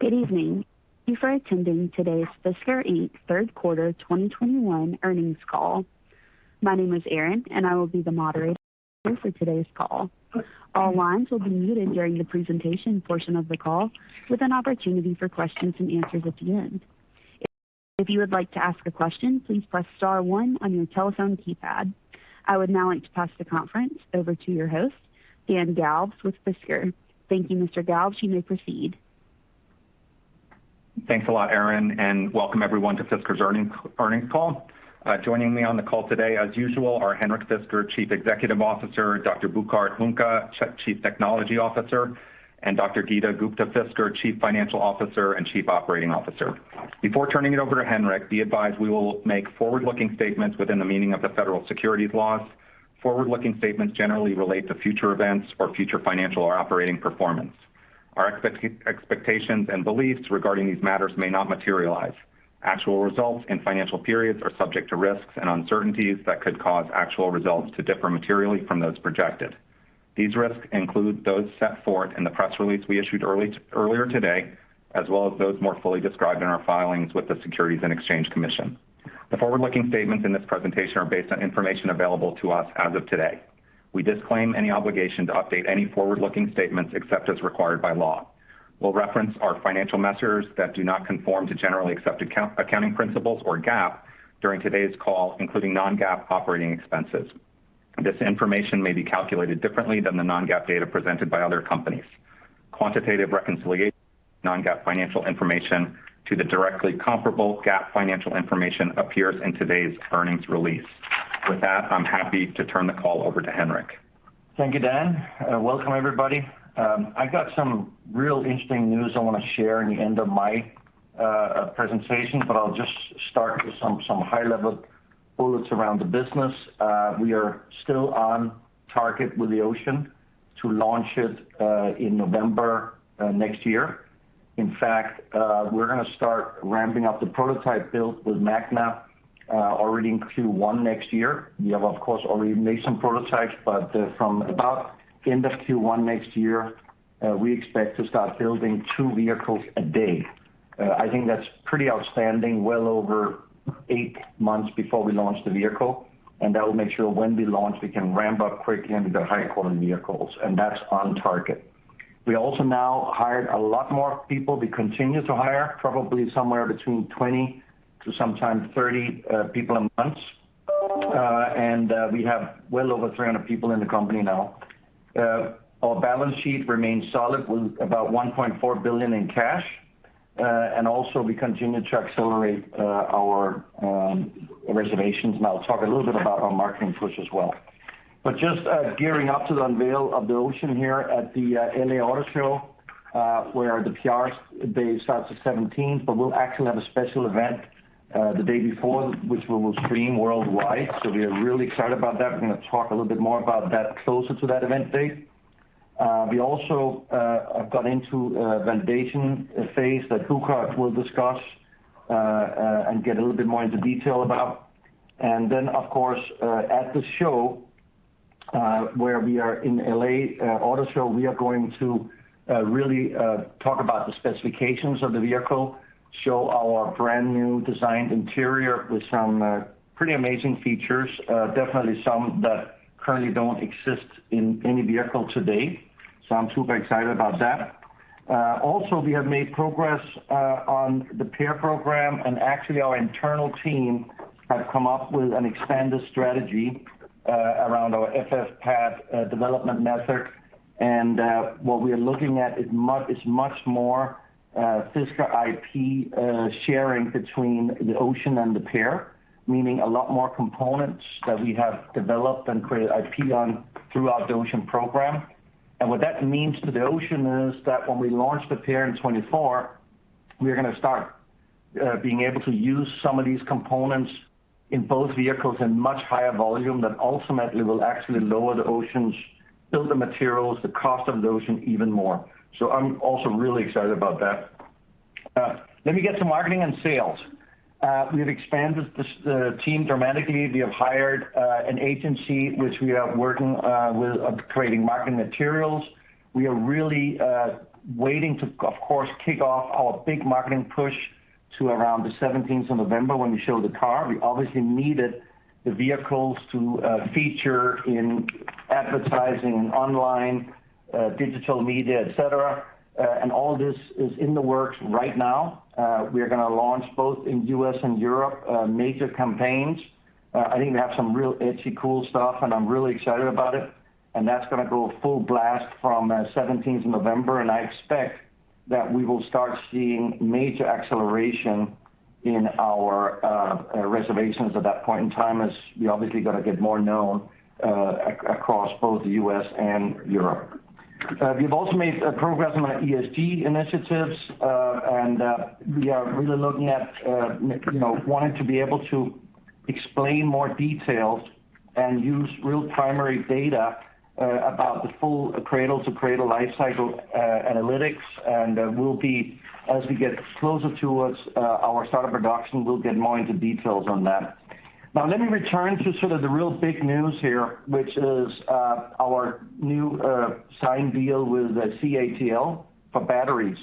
Good evening. Thank you for attending today's Fisker Inc. third quarter 2021 earnings call. My name is Erin, and I will be the moderator for today's call. All lines will be muted during the presentation portion of the call, with an opportunity for questions and answers at the end. If you would like to ask a question, please press star one on your telephone keypad. I would now like to pass the conference over to your host, Dan Galves, with Fisker. Thank you, Mr. Galves. You may proceed. Thanks a lot, Erin, and welcome everyone to Fisker's earnings call. Joining me on the call today, as usual, are Henrik Fisker, Chief Executive Officer; Dr. Burkhard Huhnke, Chief Technology Officer; and Dr. Geeta Gupta-Fisker, Chief Financial Officer and Chief Operating Officer. Before turning it over to Henrik, be advised we will make forward-looking statements within the meaning of the federal securities laws. Forward-looking statements generally relate to future events or future financial or operating performance. Our expectations and beliefs regarding these matters may not materialize. Actual results and financial periods are subject to risks and uncertainties that could cause actual results to differ materially from those projected. These risks include those set forth in the press release we issued earlier today, as well as those more fully described in our filings with the Securities and Exchange Commission. The forward-looking statements in this presentation are based on information available to us as of today. We disclaim any obligation to update any forward-looking statements except as required by law. We'll reference our financial measures that do not conform to generally accepted accounting principles or GAAP during today's call, including non-GAAP operating expenses. This information may be calculated differently than the non-GAAP data presented by other companies. Quantitative reconciliation of non-GAAP financial information to the directly comparable GAAP financial information appears in today's earnings release. With that, I'm happy to turn the call over to Henrik. Thank you, Dan. Welcome everybody. I've got some real interesting news I want to share in the end of my presentation, but I'll just start with some high-level bullets around the business. We are still on target with the Ocean to launch it in November next year. In fact, we're gonna start ramping up the prototype build with Magna already in Q1 next year. We have, of course, already made some prototypes, but from about end of Q1 next year, we expect to start building two vehicles a day. I think that's pretty outstanding, well over eight months before we launch the vehicle, and that will make sure when we launch, we can ramp up quickly into the high-quality vehicles, and that's on target. We also now hired a lot more people. We continue to hire probably somewhere between 20 to sometimes 30 people a month. We have well over 300 people in the company now. Our balance sheet remains solid with about $1.4 billion in cash. Also we continue to accelerate our reservations. I'll talk a little bit about our marketing push as well. Just gearing up to the unveil of the Ocean here at the L.A. Auto Show, where the PR day starts the 17th. We'll actually have a special event the day before which we will stream worldwide. We are really excited about that. We're gonna talk a little bit more about that closer to that event date. We also have got into a validation phase that Burkhard will discuss and get a little bit more into detail about. Of course, at the show where we are in L.A. Auto Show, we are going to really talk about the specifications of the vehicle, show our brand-new designed interior with some pretty amazing features, definitely some that currently don't exist in any vehicle to date. I'm super excited about that. Also, we have made progress on the Pear program, and actually, our internal team have come up with an expanded strategy around our FF-PAD development method. What we are looking at is much more Fisker IP sharing between the Ocean and the Pear, meaning a lot more components that we have developed and created IP on throughout the Ocean program. What that means to the Ocean is that when we launch the Pear in 2024, we're gonna start being able to use some of these components in both vehicles in much higher volume that ultimately will actually lower the Ocean's bill of materials, the cost of the Ocean even more. I'm also really excited about that. Let me get to marketing and sales. We have expanded this the team dramatically. We have hired an agency which we are working with on creating marketing materials. We are really waiting to, of course, kick off our big marketing push to around the 17th of November when we show the car. We obviously needed the vehicles to feature in advertising, online, digital media, et cetera. All this is in the works right now. We are gonna launch both in U.S. and Europe, major campaigns. I think we have some real edgy, cool stuff, and I'm really excited about it, and that's gonna go full blast from seventeenth of November, and I expect that we will start seeing major acceleration in our reservations at that point in time as we obviously got to get more known across both the U.S. and Europe. We've also made progress on our ESG initiatives. We are really looking at, you know, wanting to be able to explain more details and use real primary data about the full cradle to cradle life cycle analytics. As we get closer towards our start of production, we'll get more into details on that. Now let me return to sort of the real big news here, which is our new signed deal with the CATL for batteries.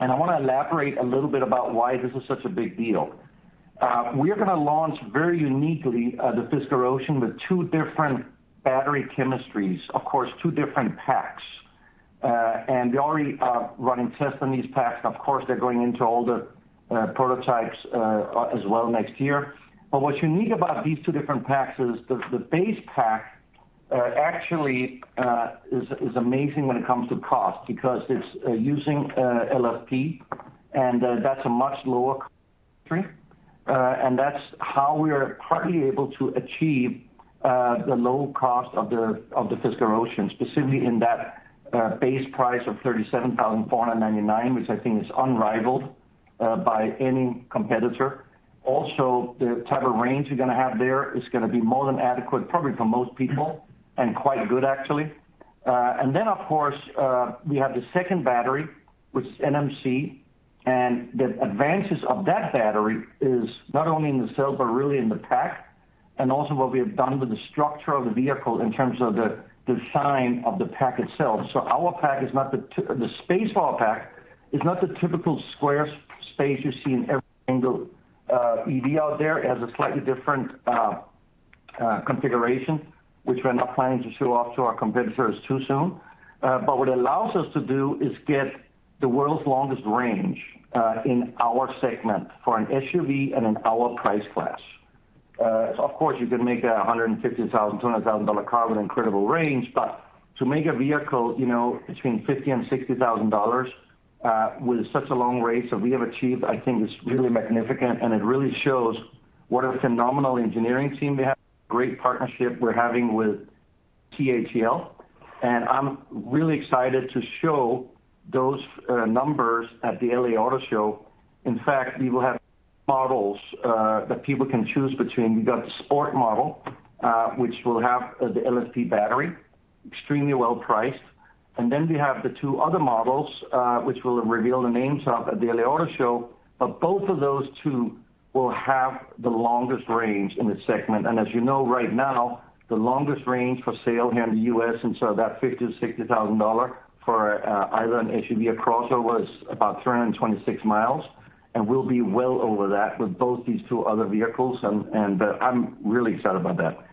I wanna elaborate a little bit about why this is such a big deal. We are gonna launch very uniquely the Fisker Ocean with two different battery chemistries, of course, two different packs. We already are running tests on these packs. Of course, they're going into all the prototypes as well next year. What's unique about these two different packs is the base pack actually is amazing when it comes to cost because it's using LFP and that's a much lower and that's how we are partly able to achieve the low cost of the Fisker Ocean, specifically in that base price of $37,499, which I think is unrivaled by any competitor. Also, the type of range we're gonna have there is gonna be more than adequate probably for most people and quite good actually. Of course, we have the second battery, which is NMC. The advances of that battery is not only in the cell, but really in the pack, and also what we have done with the structure of the vehicle in terms of the design of the pack itself. Our pack is not the skateboard pack. It's not the typical square space you see in every single EV out there. It has a slightly different configuration, which we're not planning to show off to our competitors too soon. But what it allows us to do is get the world's longest range in our segment for an SUV and in our price class. Of course, you can make a $150,000-$200,000 car with incredible range, but to make a vehicle, you know, between $50,000 and $60,000 with such a long range that we have achieved, I think is really magnificent, and it really shows what a phenomenal engineering team we have, great partnership we're having with CATL. I'm really excited to show those numbers at the L.A. Auto Show. In fact, we will have models that people can choose between. We've got the sport model, which will have the LFP battery, extremely well priced. Then we have the two other models, which we'll reveal the names of at the L.A. Auto Show. Both of those two will have the longest range in the segment. As you know right now, the longest range for sale here in the U.S. inside that $50,000-$60,000 for either an SUV or crossover is about 326 miles, and we'll be well over that with both these two other vehicles, and I'm really excited about that.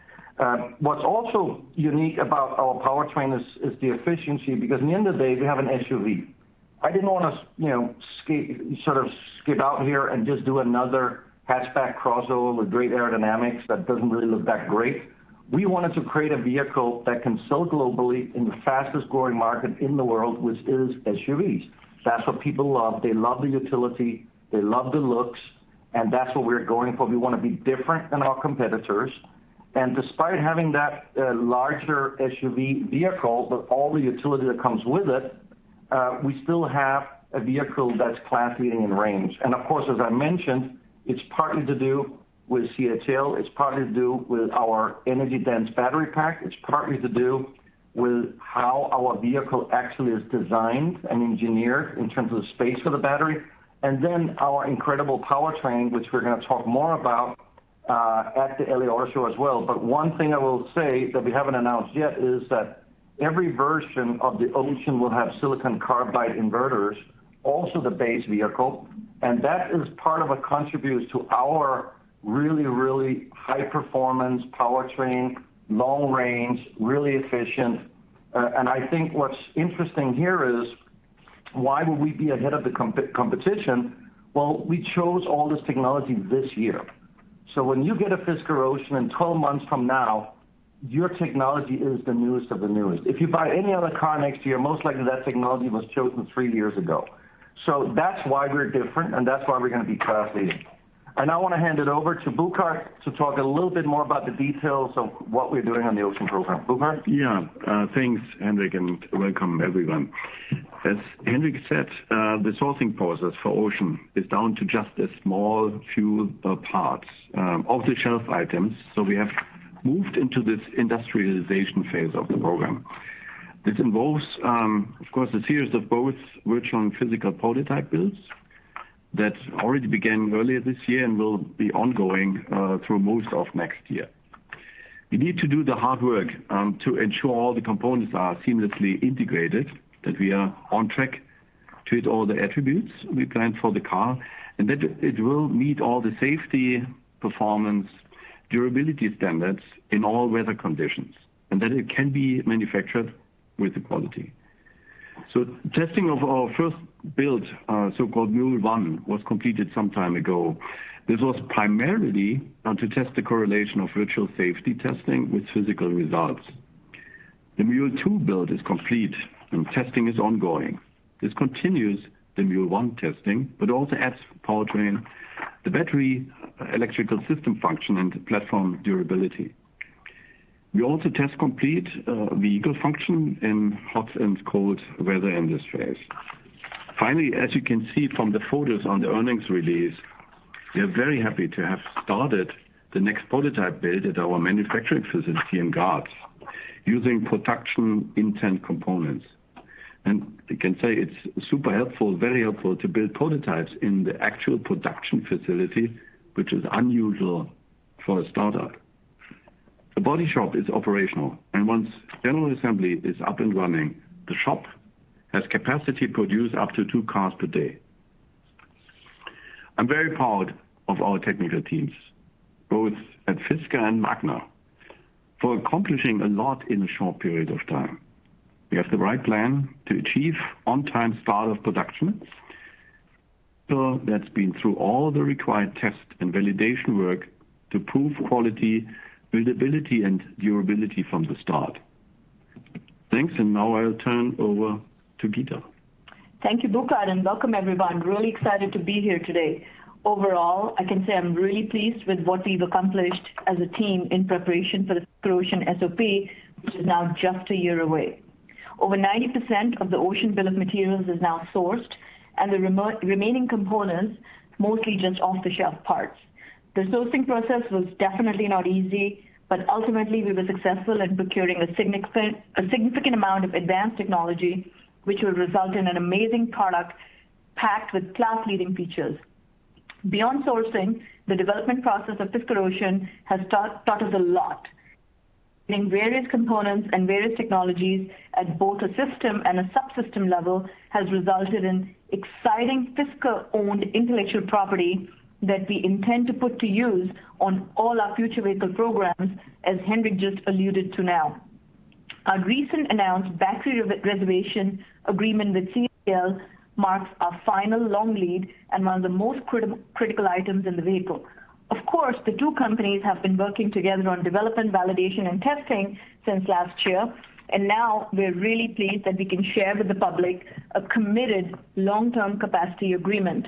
What's also unique about our powertrain is the efficiency because at the end of the day, we have an SUV. I didn't wanna you know sort of skip out here and just do another hatchback crossover with great aerodynamics that doesn't really look that great. We wanted to create a vehicle that can sell globally in the fastest-growing market in the world, which is SUVs. That's what people love. They love the utility, they love the looks, and that's what we're going for. We wanna be different than our competitors. Despite having that, larger SUV vehicle with all the utility that comes with it, we still have a vehicle that's class-leading in range. Of course, as I mentioned, it's partly to do with CATL, it's partly to do with our energy-dense battery pack, it's partly to do with how our vehicle actually is designed and engineered in terms of the space for the battery, and then our incredible powertrain, which we're gonna talk more about, at the L.A. Auto Show as well. One thing I will say that we haven't announced yet is that every version of the Ocean will have silicon carbide inverters, also the base vehicle. That is part of what contributes to our really, really high performance powertrain, long range, really efficient. I think what's interesting here is why would we be ahead of the competition? Well, we chose all this technology this year. When you get a Fisker Ocean in 12 months from now, your technology is the newest of the newest. If you buy any other car next year, most likely that technology was chosen three years ago. That's why we're different, and that's why we're gonna be class-leading. I now wanna hand it over to Burkhard to talk a little bit more about the details of what we're doing on the Ocean program. Burkhard? Yeah. Thanks, Henrik, and welcome everyone. As Henrik said, the sourcing process for Ocean is down to just a small few parts, off-the-shelf items. We have moved into this industrialization phase of the program. This involves, of course, the series of both virtual and physical prototype builds that already began earlier this year and will be ongoing through most of next year. We need to do the hard work to ensure all the components are seamlessly integrated, that we are on track to hit all the attributes we planned for the car, and that it will meet all the safety, performance, durability standards in all weather conditions, and that it can be manufactured with the quality. Testing of our first build, so-called Mule 1 was completed some time ago. This was primarily to test the correlation of virtual safety testing with physical results. The Mule 2 build is complete and testing is ongoing. This continues the Mule one testing, but also adds powertrain, the battery electrical system function, and the platform durability. We also test complete vehicle function in hot and cold weather in this phase. Finally, as you can see from the photos on the earnings release, we are very happy to have started the next prototype build at our manufacturing facility in Graz using production intent components. I can say it's super helpful, very helpful to build prototypes in the actual production facility, which is unusual for a startup. The body shop is operational, and once general assembly is up and running, the shop has capacity to produce up to two cars per day. I'm very proud of our technical teams, both at Fisker and Magna, for accomplishing a lot in a short period of time. We have the right plan to achieve on-time start of production. That's been through all the required tests and validation work to prove quality, buildability, and durability from the start. Thanks. Now I'll turn over to Geeta. Thank you, Burkhard Huhnke, and welcome everyone. Really excited to be here today. Overall, I can say I'm really pleased with what we've accomplished as a team in preparation for the Fisker Ocean SOP, which is now just a year away. Over 90% of the Fisker Ocean bill of materials is now sourced and the remaining components mostly just off-the-shelf parts. The sourcing process was definitely not easy, but ultimately, we were successful in procuring a significant amount of advanced technology, which will result in an amazing product packed with class-leading features. Beyond sourcing, the development process of Fisker Ocean has taught us a lot. In various components and various technologies at both a system and a subsystem level has resulted in exciting Fisker-owned intellectual property that we intend to put to use on all our future vehicle programs, as Henrik just alluded to now. Our recent announced battery reservation agreement with CATL marks our final long lead and one of the most critical items in the vehicle. Of course, the two companies have been working together on development, validation, and testing since last year, and now we're really pleased that we can share with the public a committed long-term capacity agreement.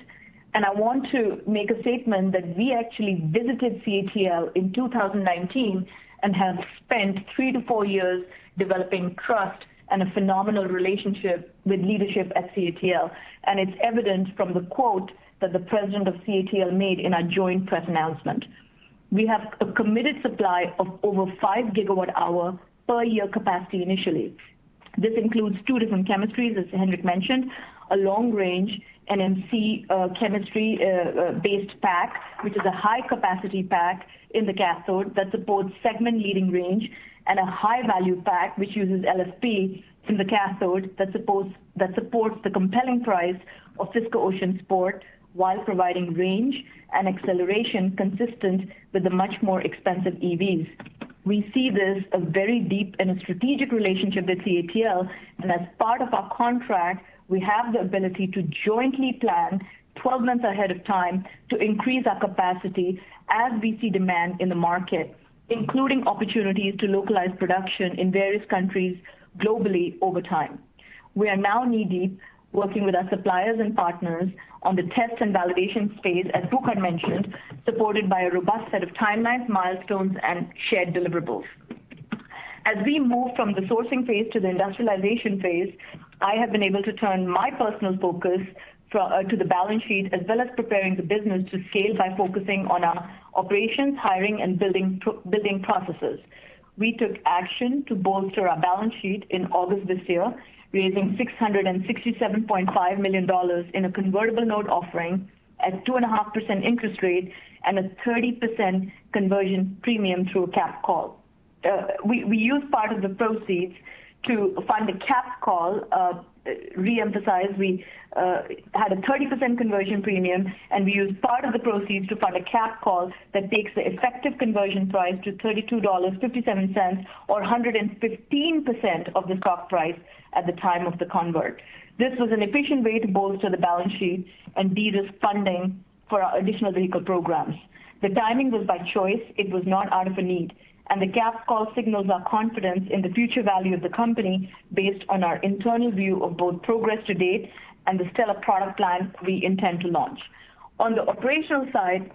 I want to make a statement that we actually visited CATL in 2019 and have spent three to four years developing trust and a phenomenal relationship with leadership at CATL. It's evident from the quote that the president of CATL made in our joint press announcement. We have a committed supply of over 5 GWh per year capacity initially. This includes two different chemistries, as Henrik mentioned, a long-range NMC chemistry based pack, which is a high-capacity pack in the cathode that supports segment-leading range and a high-value pack which uses LFP in the cathode that supports the compelling price of Fisker Ocean Sport while providing range and acceleration consistent with the much more expensive EVs. We see this as a very deep and strategic relationship with CATL, and as part of our contract, we have the ability to jointly plan 12 months ahead of time to increase our capacity as we see demand in the market, including opportunities to localize production in various countries globally over time. We are now knee-deep working with our suppliers and partners on the test and validation phase, as Burkhard mentioned, supported by a robust set of timelines, milestones, and shared deliverables. As we move from the sourcing phase to the industrialization phase, I have been able to turn my personal focus to the balance sheet, as well as preparing the business to scale by focusing on our operations, hiring, and building processes. We took action to bolster our balance sheet in August this year, raising $667.5 million in a convertible note offering at 2.5% interest rate and a 30% conversion premium through a capped call. We used part of the proceeds to fund a capped call. Re-emphasize, we had a 30% conversion premium, and we used part of the proceeds to fund a capped call that takes the effective conversion price to $32.57 or 115% of the stock price at the time of the convert. This was an efficient way to bolster the balance sheet and de-risk funding for our additional vehicle programs. The timing was by choice. It was not out of a need. The capital call signals our confidence in the future value of the company based on our internal view of both progress to date and the stellar product line we intend to launch. On the operational side,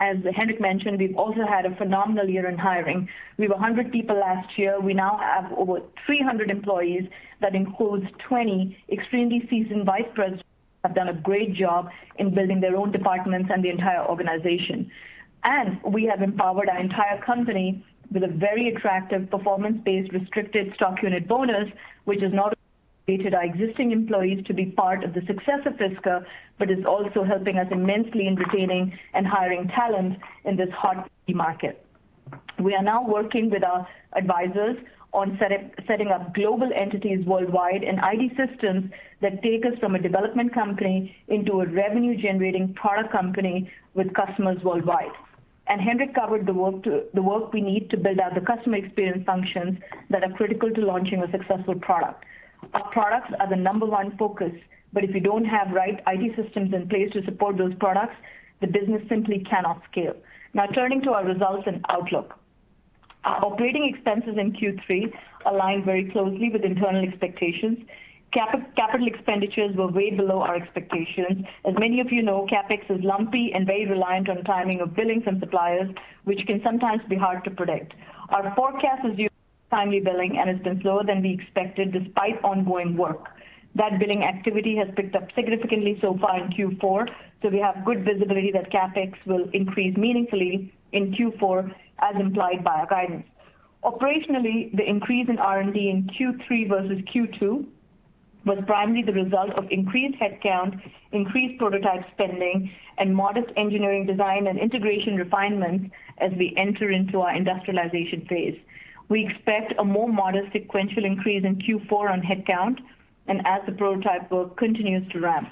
as Henrik mentioned, we've also had a phenomenal year in hiring. We were 100 people last year. We now have over 300 employees. That includes 20 extremely seasoned vice presidents have done a great job in building their own departments and the entire organization. We have empowered our entire company with a very attractive performance-based restricted stock unit bonus, which has not only motivated our existing employees to be part of the success of Fisker, but is also helping us immensely in retaining and hiring talent in this hot EV market. We are now working with our advisors on setting up global entities worldwide and IT systems that take us from a development company into a revenue-generating product company with customers worldwide. Henrik covered the work we need to build out the customer experience functions that are critical to launching a successful product. Our products are the number one focus, but if you don't have right IT systems in place to support those products, the business simply cannot scale. Now turning to our results and outlook. Our operating expenses in Q3 aligned very closely with internal expectations. Capital expenditures were way below our expectations. As many of you know, CapEx is lumpy and very reliant on timing of billings and suppliers, which can sometimes be hard to predict. Our forecast assumes timely billing, and it's been slower than we expected despite ongoing work. That billing activity has picked up significantly so far in Q4, so we have good visibility that CapEx will increase meaningfully in Q4, as implied by our guidance. Operationally, the increase in R&D in Q3 versus Q2 Was primarily the result of increased headcount, increased prototype spending and modest engineering design and integration refinements as we enter into our industrialization phase. We expect a more modest sequential increase in Q4 on headcount and as the prototype work continues to ramp.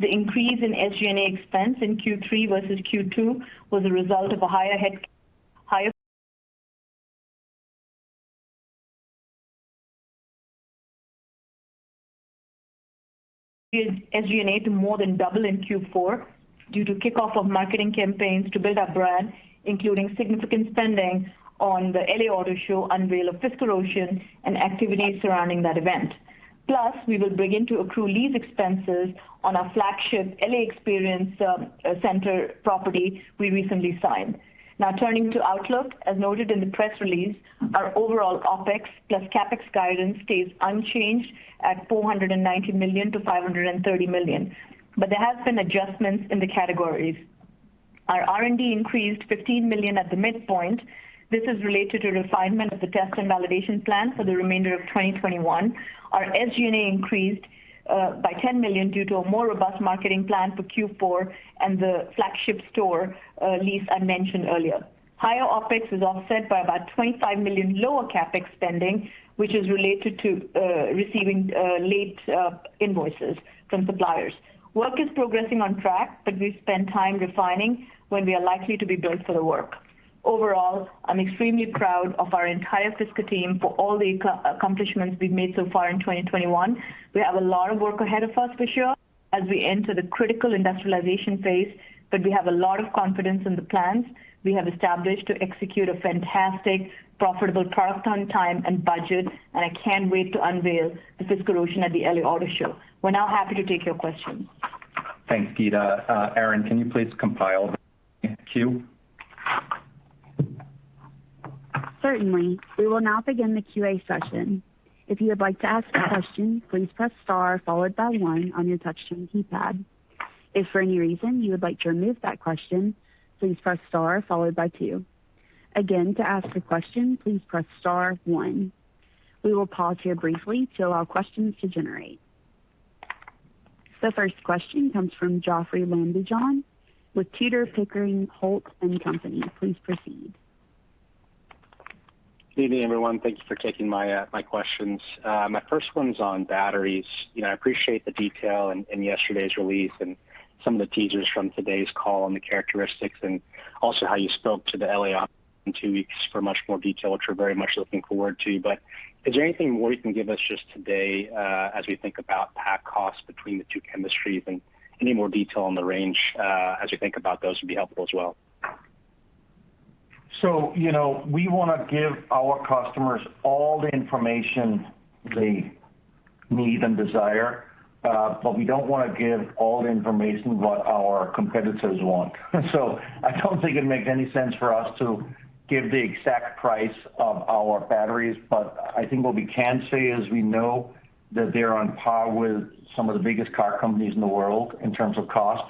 The increase in SG&A expense in Q3 versus Q2 was a result of a higher headcount. Higher SG&A to more than double in Q4 due to kickoff of marketing campaigns to build our brand, including significant spending on the L.A. Auto Show unveil of Fisker Ocean and activities surrounding that event. We will begin to accrue lease expenses on our flagship L.A. Experience Center property we recently signed. Now turning to outlook. As noted in the press release, our overall OpEx plus CapEx guidance stays unchanged at $490 million-$530 million. There has been adjustments in the categories. Our R&D increased $15 million at the midpoint. This is related to refinement of the test and validation plan for the remainder of 2021. Our SG&A increased by $10 million due to a more robust marketing plan for Q4 and the flagship store lease I mentioned earlier. Higher OpEx is offset by about $25 million lower CapEx spending, which is related to receiving late invoices from suppliers. Work is progressing on track, but we spend time refining when we are likely to be billed for the work. Overall, I'm extremely proud of our entire Fisker team for all the accomplishments we've made so far in 2021.We have a lot of work ahead of us for sure as we enter the critical industrialization phase, but we have a lot of confidence in the plans we have established to execute a fantastic, profitable product on time and budget, and I can't wait to unveil the Fisker Ocean at the L.A. Auto Show. We're now happy to take your questions. Thanks, Geeta. Erin, can you please compile the queue? Certainly. We will now begin the QA session. If you would like to ask a question, please press star followed by one on your touchscreen keypad. If for any reason you would like to remove that question, please press star followed by two. Again, to ask a question, please press star one. We will pause here briefly to allow questions to generate. The first question comes from Jeoffrey Lambujon with Tudor, Pickering, Holt & Co. Please proceed. Good evening, everyone. Thank you for taking my questions. My first one's on batteries. You know, I appreciate the detail in yesterday's release and some of the teasers from today's call on the characteristics and also how you spoke to the L.A. Auto Show in two weeks for much more detail, which we're very much looking forward to. Is there anything more you can give us just today, as we think about pack costs between the two chemistries and any more detail on the range, as you think about those would be helpful as well? You know, we wanna give our customers all the information they need and desire, but we don't wanna give all the information what our competitors want. I don't think it makes any sense for us to give the exact price of our batteries. But I think what we can say is we know that they're on par with some of the biggest car companies in the world in terms of cost.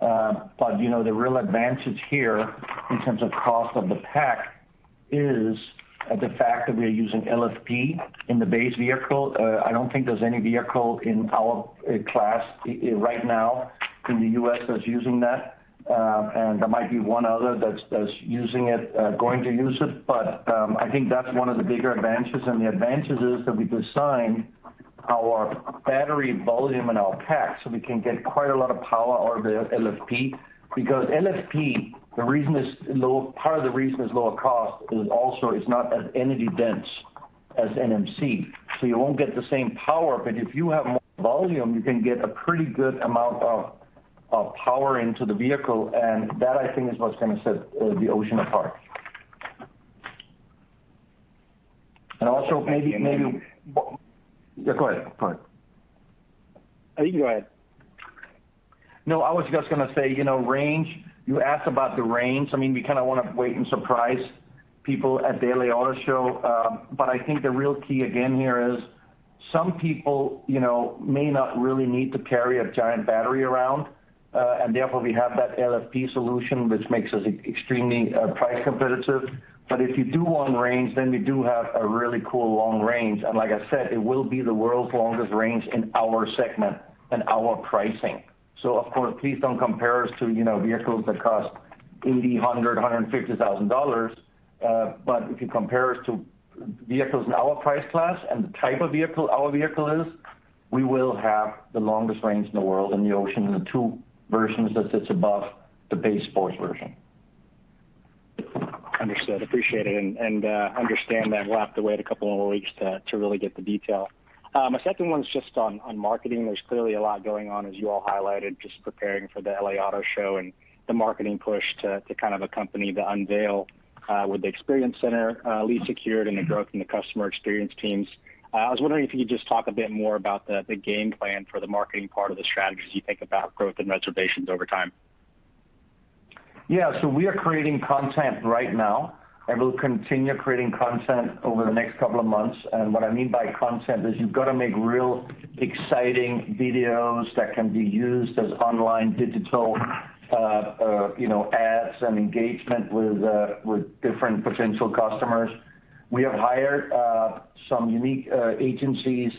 You know, the real advantage here in terms of cost of the pack is the fact that we are using LFP in the base vehicle. I don't think there's any vehicle in our class right now in the U.S. that's using that. There might be one other that's using it, going to use it, but I think that's one of the bigger advantages. The advantage is that we design our battery volume in our pack, so we can get quite a lot of power out of the LFP because LFP, part of the reason it's lower cost is also it's not as energy dense as NMC, so you won't get the same power. But if you have more volume, you can get a pretty good amount of power into the vehicle. That, I think, is what's gonna set the Ocean apart. Also maybe Thank you. Yeah, go ahead. You go ahead. No, I was just gonna say, you know, range. You asked about the range. I mean, we kinda wanna wait and surprise people at the L.A. Auto Show. But I think the real key again here is some people, you know, may not really need to carry a giant battery around, and therefore we have that LFP solution which makes us extremely price competitive. But if you do want range, then we do have a really cool long range. And like I said, it will be the world's longest range in our segment and our pricing. Of course, please don't compare us to, you know, vehicles that cost $80,000, $100,000, $150,000. If you compare us to vehicles in our price class and the type of vehicle our vehicle is, we will have the longest range in the world in the Ocean in the two versions that sits above the base sports version. Understood. Appreciate it. I understand that we'll have to wait a couple more weeks to really get the detail. My second one's just on marketing. There's clearly a lot going on, as you all highlighted, just preparing for the L.A. Auto Show and the marketing push to kind of accompany the unveil with the experience center lease secured and the growth in the customer experience teams. I was wondering if you could just talk a bit more about the game plan for the marketing part of the strategy as you think about growth and reservations over time. Yeah. We are creating content right now, and we'll continue creating content over the next couple of months. What I mean by content is you've got to make real exciting videos that can be used as online digital, you know, ads and engagement with different potential customers. We have hired some unique agencies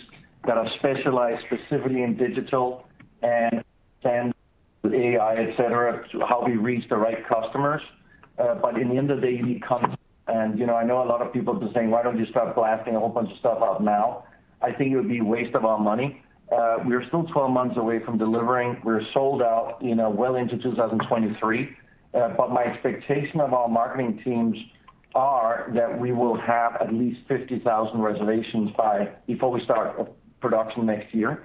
that are specialized specifically in digital and AI, et cetera, how we reach the right customers. At the end of the day, you know, I know a lot of people just saying, "Why don't you start blasting a whole bunch of stuff out now?" I think it would be a waste of our money. We are still 12 months away from delivering. We're sold out, you know, well into 2023. My expectation of our marketing teams are that we will have at least 50,000 reservations before we start production next year.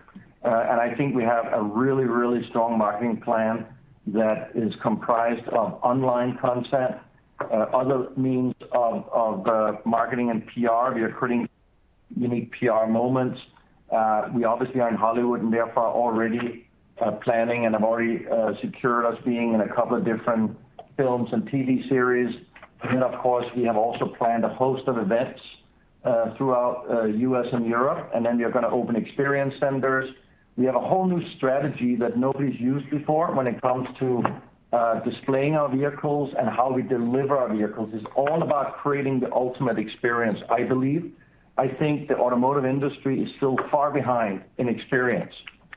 I think we have a really strong marketing plan that is comprised of online content, other means of marketing and PR. We are creating unique PR moments. We obviously are in Hollywood and therefore already planning and have already secured us being in a couple of different films and TV series. Of course, we have also planned a host of events throughout U.S. and Europe, and then we are gonna open experience centers. We have a whole new strategy that nobody's used before when it comes to displaying our vehicles and how we deliver our vehicles. It's all about creating the ultimate experience, I believe. I think the automotive industry is still far behind in experience.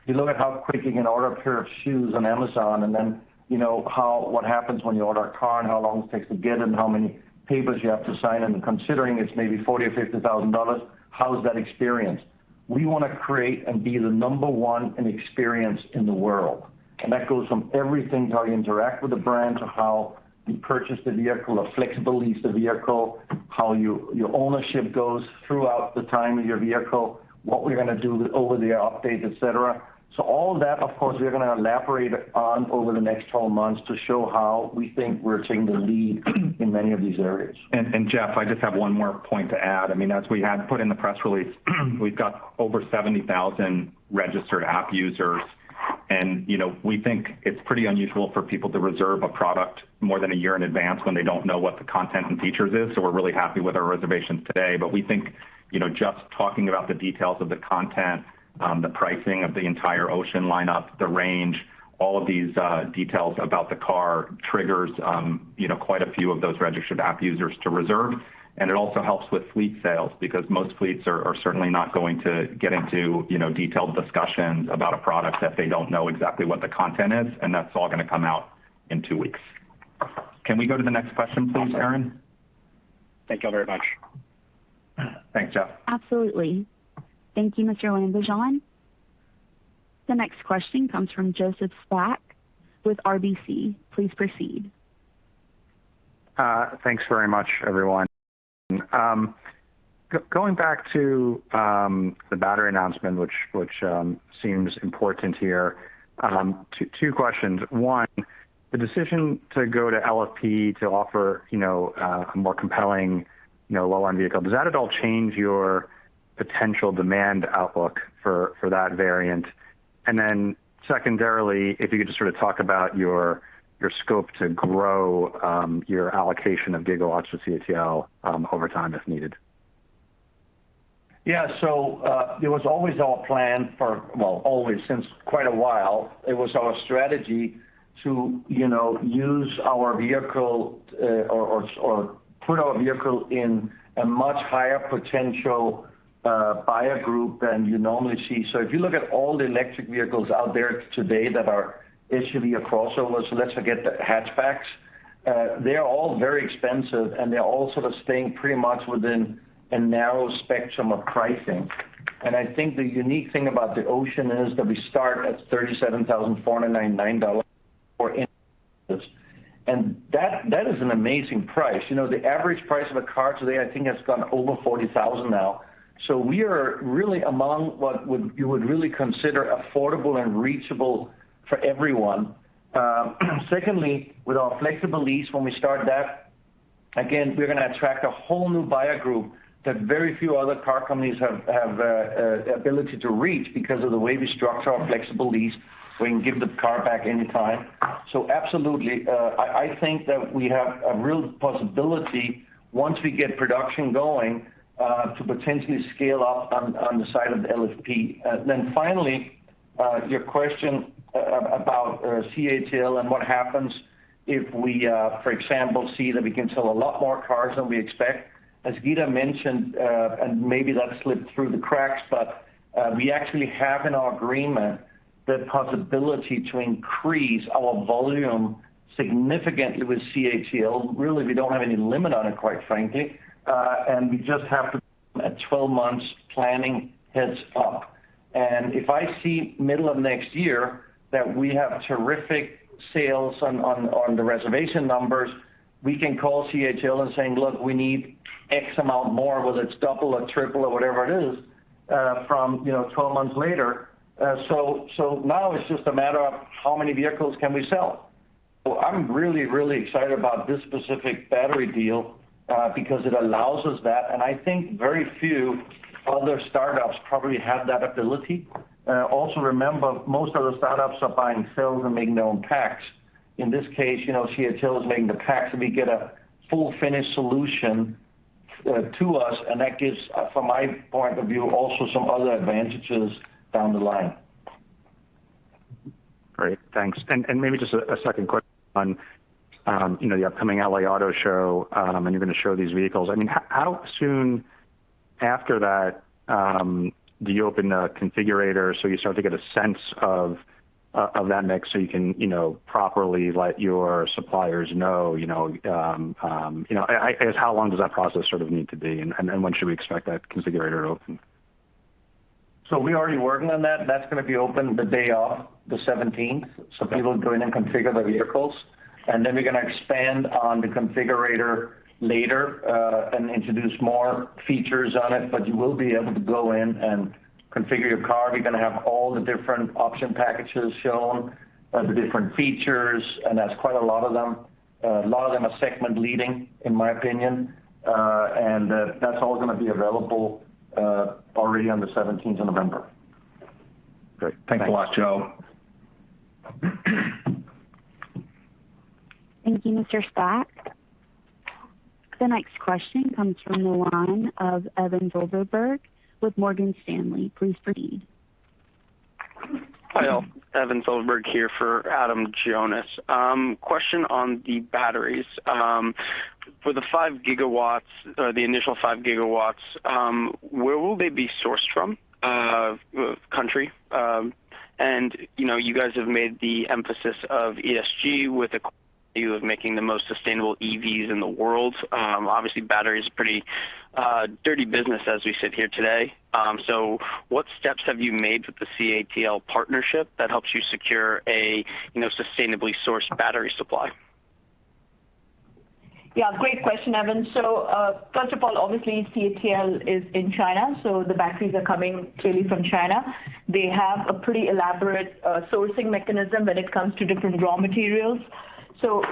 You look at how quick you can order a pair of shoes on Amazon and then, you know, what happens when you order a car and how long it takes to get and how many papers you have to sign, and considering it's maybe $40,000 or $50,000, how is that experience? We wanna create and be the number one in experience in the world. That goes from everything, how you interact with the brand to how you purchase the vehicle, a flexible lease the vehicle, how your ownership goes throughout the time of your vehicle, what we're gonna do with OTA update, et cetera. All that, of course, we're gonna elaborate on over the next 12 months to show how we think we're taking the lead in many of these areas. Jeff, I just have one more point to add. I mean, as we had put in the press release, we've got over 70,000 registered app users. You know, we think it's pretty unusual for people to reserve a product more than a year in advance when they don't know what the content and features is. We're really happy with our reservations today. We think, you know, just talking about the details of the content, the pricing of the entire Ocean lineup, the range, all of these, details about the car triggers, you know, quite a few of those registered app users to reserve. It also helps with fleet sales because most fleets are certainly not going to get into, you know, detailed discussions about a product that they don't know exactly what the content is, and that's all gonna come out in two weeks. Can we go to the next question please, Erin? Thank you all very much. Thanks, Jeff. Absolutely. Thank you, Mr. Lambujon. The next question comes from Joseph Spak with RBC. Please proceed. Thanks very much, everyone. Going back to the battery announcement, which seems important here, two questions. One, the decision to go to LFP to offer, you know, a more compelling, you know, low-end vehicle, does that at all change your potential demand outlook for that variant? And then secondarily, if you could just sort of talk about your scope to grow your allocation of gigawatts with CATL over time if needed? Yeah. It was always our plan. Well, always, since quite a while, it was our strategy to, you know, use our vehicle or put our vehicle in a much higher potential buyer group than you normally see. If you look at all the electric vehicles out there today that are SUV or crossovers, let's forget the hatchbacks, they are all very expensive, and they're all sort of staying pretty much within a narrow spectrum of pricing. I think the unique thing about the Ocean is that we start at $37,499 for any of this. That is an amazing price. You know, the average price of a car today, I think, has gone over 40,000 now. We are really among what you would really consider affordable and reachable for everyone. Secondly, with our Flexee Lease, when we start that, again, we're gonna attract a whole new buyer group that very few other car companies have the ability to reach because of the way we structure our Flexee Lease. We can give the car back anytime. Absolutely, I think that we have a real possibility once we get production going to potentially scale up on the side of LFP. Finally, your question about CATL and what happens if we, for example, see that we can sell a lot more cars than we expect. As Geeta mentioned, and maybe that slipped through the cracks, but we actually have in our agreement the possibility to increase our volume significantly with CATL. Really, we don't have any limit on it, quite frankly. We just have to have a 12-month planning heads-up. If I see in the middle of next year that we have terrific sales on the reservation numbers, we can call CATL and say, "Look, we need X amount more," whether it's double or triple or whatever it is, from, you know, 12 months later. Now it's just a matter of how many vehicles can we sell. I'm really excited about this specific battery deal, because it allows us that, and I think very few other startups probably have that ability. Also remember, most other startups are buying cells and making their own packs. In this case, you know, CATL is making the packs, and we get a full finished solution to us, and that gives, from my point of view, also some other advantages down the line. Great. Thanks. Maybe just a second question on, you know, the upcoming L.A. Auto Show, and you're gonna show these vehicles. I mean, how soon after that do you open a configurator so you start to get a sense of that mix so you can, you know, properly let your suppliers know, you know, how long does that process sort of need to be, and when should we expect that configurator to open? We're already working on that. That's gonna be open the day of, the 17th. Okay. People go in and configure their vehicles, and then we're gonna expand on the configurator later, and introduce more features on it. You will be able to go in and configure your car. You're gonna have all the different option packages shown, the different features, and that's quite a lot of them. A lot of them are segment leading in my opinion. That's all gonna be available already on the seventeenth of November. Great. Thanks a lot, Joe. Thank you, Mr. Spak. The next question comes from the line of Adam [Thulberg] with Morgan Stanley. Please proceed. Hi all. Adam [Thulberg] here for Adam Jonas. Question on the batteries. For the 5 GW, or the initial 5 GW, where will they be sourced from, which country? You know, you guys have made the emphasis of ESG with a view of making the most sustainable EVs in the world. Obviously battery is pretty dirty business as we sit here today. What steps have you made with the CATL partnership that helps you secure a, you know, sustainably sourced battery supply? Yeah, great question, Adam. First of all, obviously CATL is in China, so the batteries are coming clearly from China. They have a pretty elaborate sourcing mechanism when it comes to different raw materials.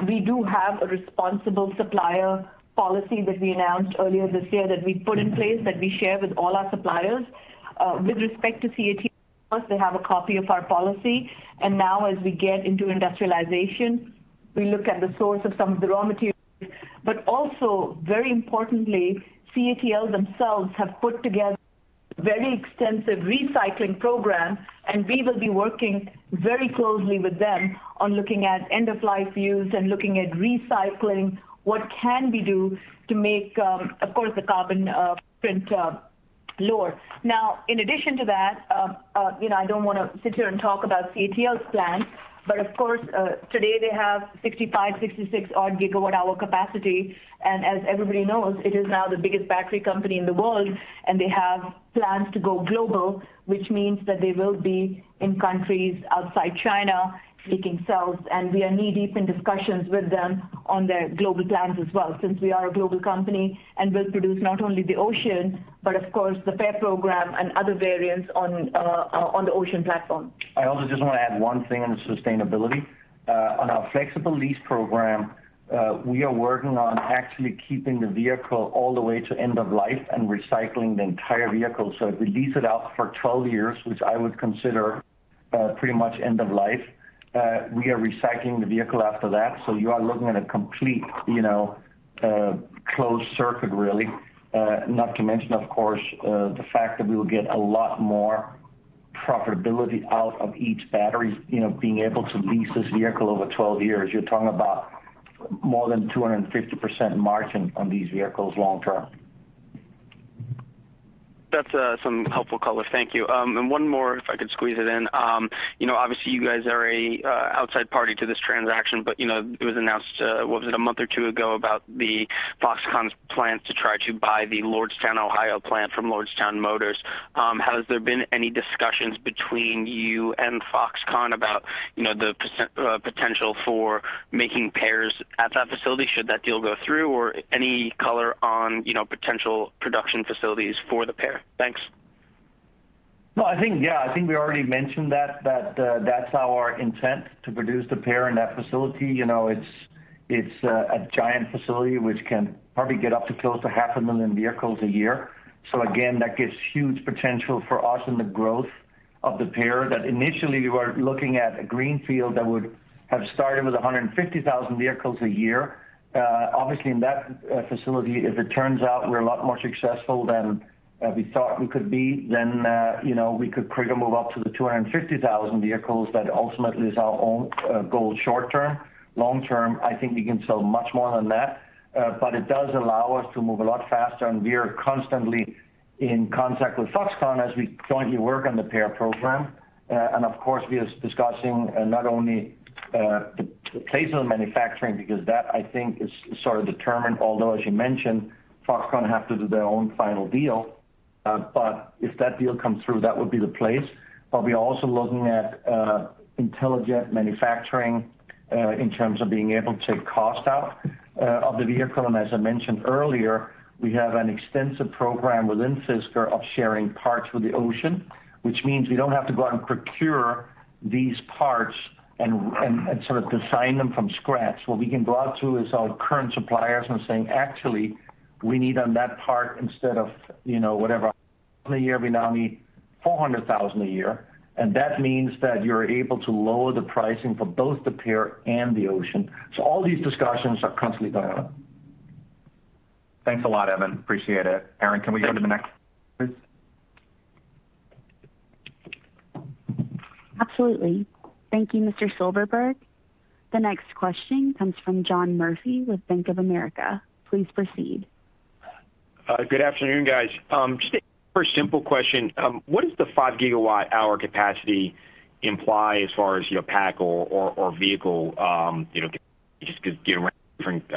We do have a responsible supplier policy that we announced earlier this year that we put in place that we share with all our suppliers. With respect to CATL, of course, they have a copy of our policy. Now as we get into industrialization, we look at the source of some of the raw materials, but also very importantly, CATL themselves have put together very extensive recycling program, and we will be working very closely with them on looking at end of life use and looking at recycling. What can we do to make, of course the carbon footprint lower. Now, in addition to that, you know, I don't wanna sit here and talk about CATL's plan, but of course, today they have 65, 66-odd GWh capacity, and as everybody knows, it is now the biggest battery company in the world, and they have plans to go global, which means that they will be in countries outside China making cells, and we are knee deep in discussions with them on their global plans as well since we are a global company and will produce not only the Ocean, but of course the Pear program and other variants on the Ocean platform. I also just wanna add one thing on the sustainability. On our flexible lease program, we are working on actually keeping the vehicle all the way to end of life and recycling the entire vehicle. If we lease it out for 12 years, which I would consider pretty much end of life, we are recycling the vehicle after that. You are looking at a complete, you know, closed circuit really. Not to mention of course the fact that we will get a lot more profitability out of each battery. You know, being able to lease this vehicle over 12 years, you're talking about more than 250% margin on these vehicles long term. That's some helpful color. Thank you. One more if I could squeeze it in. You know, obviously you guys are an outside party to this transaction, but you know, it was announced, what was it? A month or two ago about Foxconn's plans to try to buy the Lordstown, Ohio plant from Lordstown Motors. Has there been any discussions between you and Foxconn about, you know, the potential for making Pears at that facility should that deal go through or any color on, you know, potential production facilities for the Pear? Thanks. No, I think yeah, I think we already mentioned that that's our intent to produce the Pear in that facility. You know, it's a giant facility which can probably get up to close to 500,000 vehicles a year. Again, that gives huge potential for us in the growth of the Pear that initially you are looking at a greenfield that would have started with 150,000 vehicles a year. Obviously in that facility, if it turns out we're a lot more successful than we thought we could be, then you know, we could probably move up to the 250,000 vehicles. That ultimately is our own goal short term. Long term, I think we can sell much more than that. It does allow us to move a lot faster, and we're constantly in contact with Foxconn as we jointly work on the Pear program. Of course we are discussing not only the place of manufacturing because that I think is sort of determined, although as you mentioned, Foxconn have to do their own final deal. If that deal comes through, that would be the place. We're also looking at intelligent manufacturing in terms of being able to take cost out of the vehicle. As I mentioned earlier, we have an extensive program within Fisker of sharing parts with the Ocean, which means we don't have to go out and procure these parts and sort of design them from scratch. What we can do is go out to our current suppliers and saying, "Actually, we need more of that part instead of, you know, whatever a year, we now need 400,000 a year." That means that you're able to lower the pricing for both the Pear and the Ocean. All these discussions are constantly going on. Thanks a lot, Adam. Appreciate it. Erin, can we go to the next please? Absolutely. Thank you. The next question comes from John Murphy with Bank of America. Please proceed. Good afternoon, guys. Just a very simple question. What does the 5 GWh capacity imply as far as your pack or vehicle, you know, just given different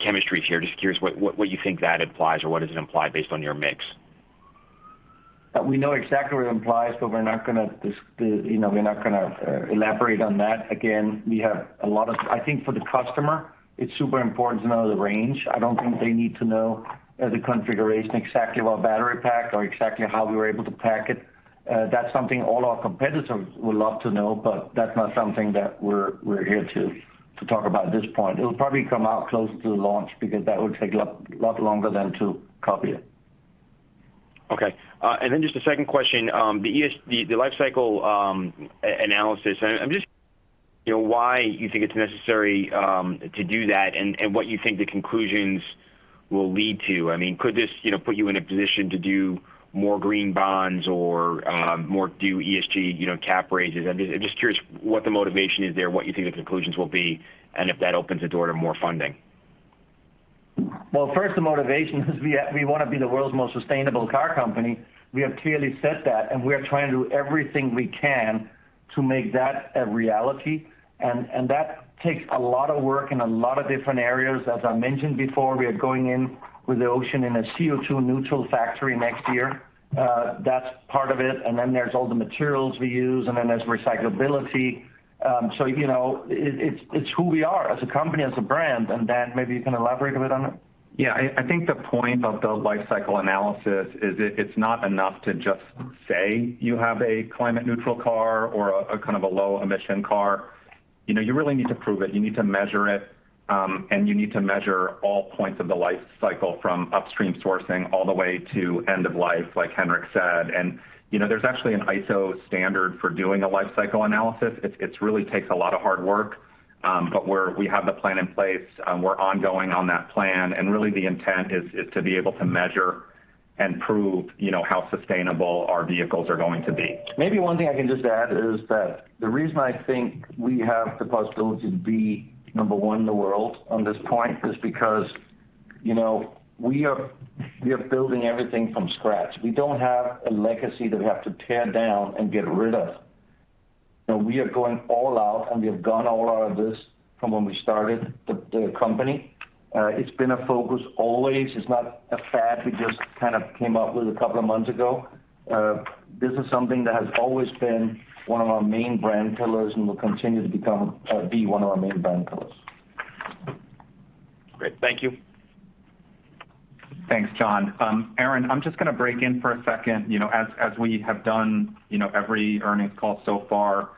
chemistries here, just curious what you think that implies or what does it imply based on your mix? We know exactly what it implies, but we're not gonna, you know, elaborate on that. Again, I think for the customer, it's super important to know the range. I don't think they need to know the configuration exactly, what battery pack or exactly how we were able to pack it. That's something all our competitors would love to know, but that's not something that we're here to talk about at this point. It'll probably come out close to launch because that would take a lot longer than to copy it. Okay. Just a second question. The ESG life cycle analysis. I'm just... You know, why you think it's necessary to do that and what you think the conclusions will lead to. I mean, could this, you know, put you in a position to do more green bonds or more ESG cap raises? I'm just curious what the motivation is there, what you think the conclusions will be, and if that opens the door to more funding. Well, first, the motivation is we wanna be the world's most sustainable car company. We have clearly said that, and we are trying to do everything we can to make that a reality. That takes a lot of work in a lot of different areas. As I mentioned before, we are going in with the Ocean in a CO₂ neutral factory next year. That's part of it. Then there's all the materials we use, and then there's recyclability. You know, it's who we are as a company, as a brand. Dan, maybe you can elaborate a bit on it. Yeah. I think the point of the life cycle analysis is, it's not enough to just say you have a climate neutral car or a kind of a low emission car. You know, you really need to prove it. You need to measure it, and you need to measure all points of the life cycle from upstream sourcing all the way to end of life, like Henrik said. You know, there's actually an ISO standard for doing a life cycle analysis. It really takes a lot of hard work. But we have the plan in place. We're ongoing on that plan, and really the intent is to be able to measure and prove, you know, how sustainable our vehicles are going to be. Maybe one thing I can just add is that the reason I think we have the possibility to be number one in the world on this point is because, you know, we are building everything from scratch. We don't have a legacy that we have to tear down and get rid of. You know, we are going all out, and we have gone all out on this from when we started the company. It's been a focus always. It's not a fad we just kind of came up with a couple of months ago. This is something that has always been one of our main brand pillars and will continue to be one of our main brand pillars. Great. Thank you. Thanks, John. Erin, I'm just gonna break in for a second. You know, as we have done, you know, every earnings call so far,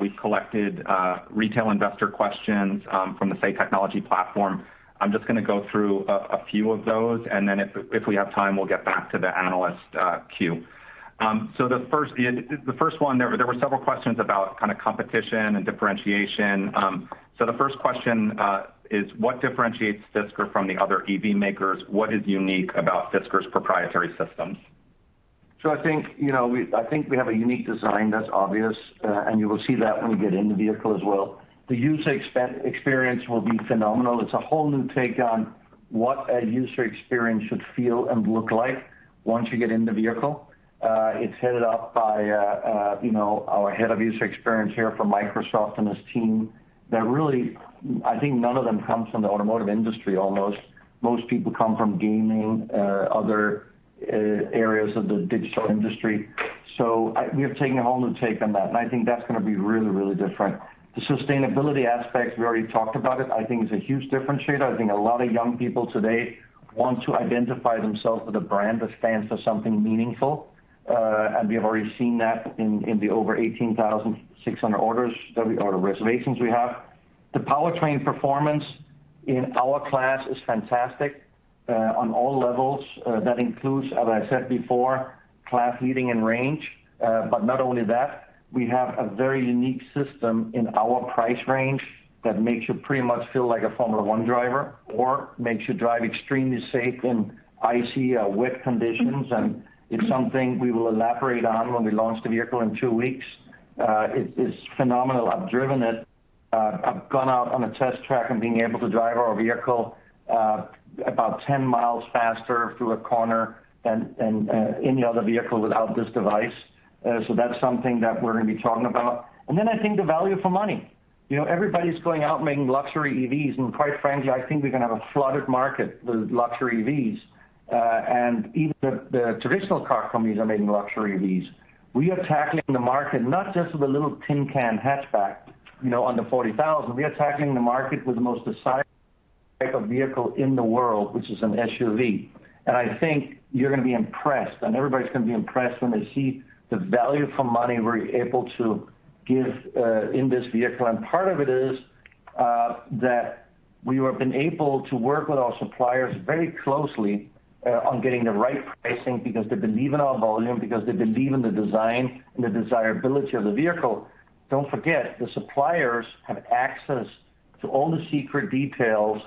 we've collected retail investor questions from the Say Technologies platform. I'm just gonna go through a few of those, and then if we have time, we'll get back to the analyst queue. The first one, there were several questions about kinda competition and differentiation. The first question is what differentiates Fisker from the other EV makers? What is unique about Fisker's proprietary systems? I think we have a unique design, that's obvious. You will see that when we get in the vehicle as well. The user experience will be phenomenal. It's a whole new take on what a user experience should feel and look like once you get in the vehicle. It's headed up by our head of user experience here from Microsoft and his team, that really, I think none of them comes from the automotive industry almost. Most people come from gaming, other areas of the digital industry. We have taken a whole new take on that, and I think that's gonna be really, really different. The sustainability aspect, we already talked about it. I think it's a huge differentiator. I think a lot of young people today want to identify themselves with a brand that stands for something meaningful. We have already seen that in the over 18,600 orders or the reservations we have. The powertrain performance in our class is fantastic on all levels. That includes, as I said before, class leading in range. But not only that, we have a very unique system in our price range that makes you pretty much feel like a Formula One driver or makes you drive extremely safe in icy wet conditions. It's something we will elaborate on when we launch the vehicle in two weeks. It's phenomenal. I've driven it. I've gone out on a test track and being able to drive our vehicle, about 10 miles faster through a corner than any other vehicle without this device. So that's something that we're gonna be talking about. I think the value for money. You know, everybody's going out making luxury EVs, and quite frankly, I think we're gonna have a flooded market with luxury EVs. Even the traditional car companies are making luxury EVs. We are tackling the market not just with a little tin can hatchback, you know, under $40,000. We are tackling the market with the most desired type of vehicle in the world, which is an SUV. I think you're gonna be impressed, and everybody's gonna be impressed when they see the value for money we're able to give, in this vehicle. Part of it is that we have been able to work with our suppliers very closely on getting the right pricing because they believe in our volume, because they believe in the design and the desirability of the vehicle. Don't forget, the suppliers have access to all the secret details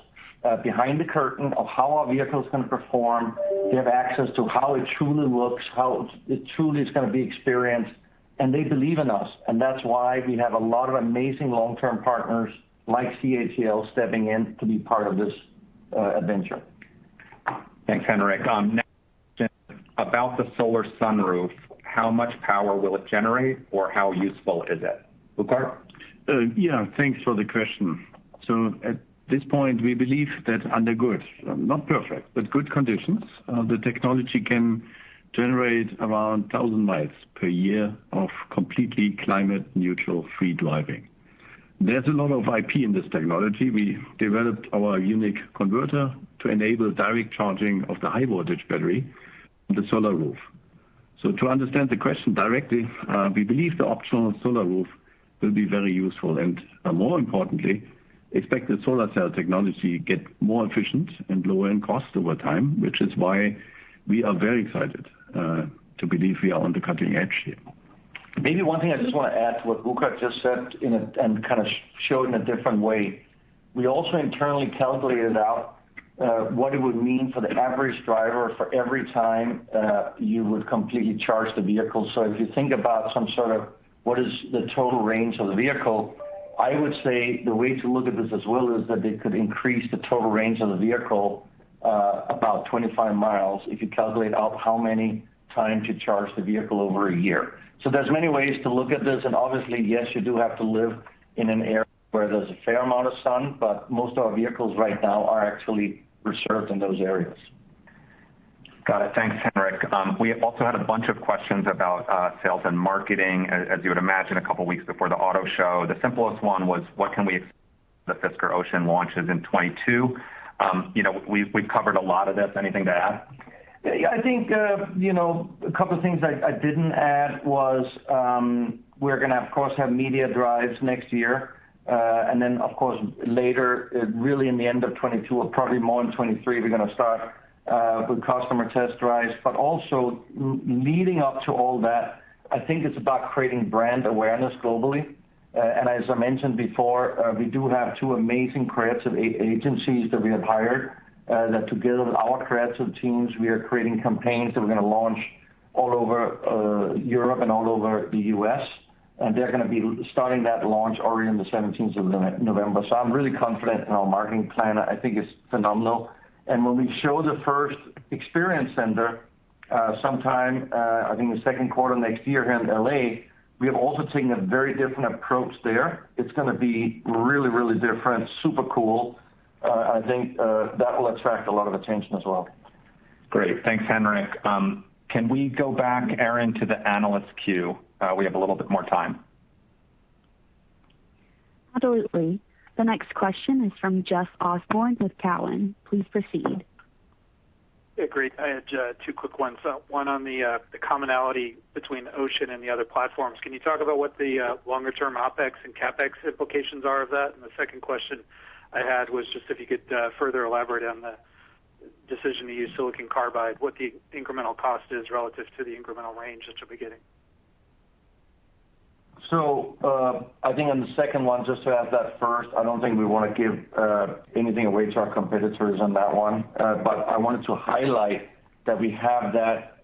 behind the curtain of how our vehicle is gonna perform. They have access to how it truly looks, how it truly is gonna be experienced, and they believe in us. That's why we have a lot of amazing long-term partners like CATL stepping in to be part of this adventure. Thanks, Henrik. Next about the solar sunroof, how much power will it generate or how useful is it? Burkhard? Thanks for the question. At this point, we believe that under good, not perfect, but good conditions, the technology can generate around 1,000 miles per year of completely climate neutral free driving. There's a lot of IP in this technology. We developed our unique converter to enable direct charging of the high voltage battery, the solar roof. To understand the question directly, we believe the optional solar roof will be very useful, and more importantly, expect the solar cell technology get more efficient and lower in cost over time, which is why we are very excited to believe we are on the cutting edge here. Maybe one thing I just wanna add to what Burkhard just said and kind of show it in a different way. We also internally calculated out what it would mean for the average driver for every time you would completely charge the vehicle. If you think about some sort of what is the total range of the vehicle, I would say the way to look at this as well is that it could increase the total range of the vehicle about 25 miles if you calculate out how many times you charge the vehicle over a year. There's many ways to look at this, and obviously, yes, you do have to live in an area where there's a fair amount of sun, but most of our vehicles right now are actually reserved in those areas. Got it. Thanks, Henrik. We have also had a bunch of questions about sales and marketing, as you would imagine, a couple weeks before the auto show. The simplest one was, what can we expect when the Fisker Ocean launches in 2022. You know, we've covered a lot of this. Anything to add? Yeah, I think, you know, a couple things I didn't add was, we're gonna, of course, have media drives next year. Then, of course, later, really in the end of 2022 or probably more in 2023, we're gonna start with customer test drives. Also leading up to all that, I think it's about creating brand awareness globally. As I mentioned before, we do have two amazing creative agencies that we have hired, that together with our creative teams, we are creating campaigns that we're gonna launch all over Europe and all over the U.S. They're gonna be starting that launch already on the 17th of November. I'm really confident in our marketing plan. I think it's phenomenal. When we show the first experience center sometime, I think in the second quarter next year here in L.A., we have also taken a very different approach there. It's gonna be really, really different. Super cool. I think that will attract a lot of attention as well. Great. Thanks, Henrik. Can we go back, Erin, to the analyst queue? We have a little bit more time. Absolutely. The next question is from Jeff Osborne with Cowen. Please proceed. Yeah, great. I had two quick ones. One on the commonality between Ocean and the other platforms. Can you talk about what the longer term OpEx and CapEx implications are of that? And the second question I had was just if you could further elaborate on the decision to use silicon carbide, what the incremental cost is relative to the incremental range that you'll be getting. I think on the second one, just to add that first, I don't think we wanna give anything away to our competitors on that one. I wanted to highlight that we have that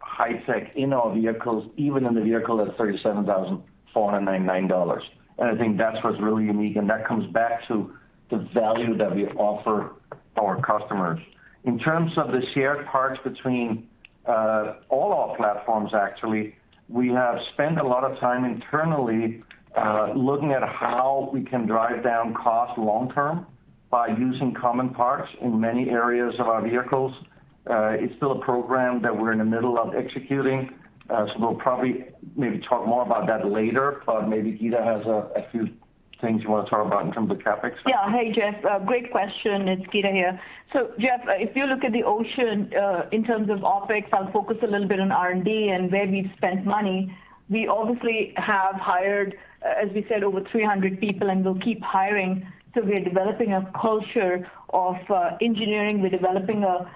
high tech in our vehicles, even in the vehicle that's $37,499. I think that's what's really unique, and that comes back to the value that we offer our customers. In terms of the shared parts between all our platforms, actually, we have spent a lot of time internally looking at how we can drive down costs long term by using common parts in many areas of our vehicles. It's still a program that we're in the middle of executing, we'll probably maybe talk more about that later. Maybe Geeta has a few things you wanna talk about in terms of CapEx. Yeah. Hey, Jeff. Great question. It's Geeta here. Jeff, if you look at the Ocean, in terms of OpEx, I'll focus a little bit on R&D and where we've spent money. We obviously have hired, as we said, over 300 people, and we'll keep hiring. We are developing a culture of engineering. We're developing a